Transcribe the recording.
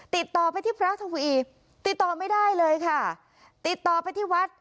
ติดต่อไปที่พระทวีติดต่อไม่ได้เลยค่ะติดต่อไปที่วัด